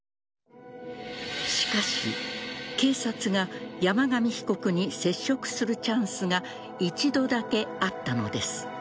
しかし、警察が山上被告に接触するチャンスが一度だけあったのです。